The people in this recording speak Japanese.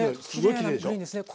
きれいなグリーンですね。